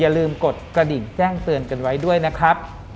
อย่าลืมกดกระดิ่งแจ้งเตือนกันไว้ด้วยนะครับ